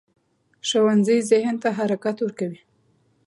ښوونځی ذهن ته حرکت ورکوي